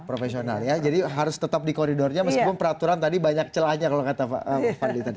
profesional ya jadi harus tetap di koridornya meskipun peraturan tadi banyak celahnya kalau kata pak fadli tadi